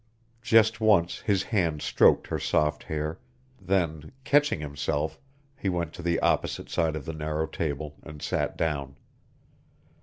Just once his hand stroked her soft hair, then, catching himself, he went to the opposite side of the narrow table and sat down.